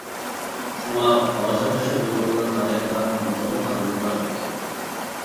شۇڭا ھازىرغىچە ئۇيغۇرلار تارىخىدا نۇرغۇن خانلىقلار ئۆتكەن.